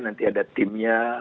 nanti ada timnya